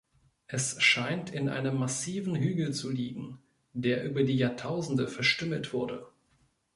Es scheint in einem massiven Hügel zu liegen, der über die Jahrtausende verstümmelt wurde.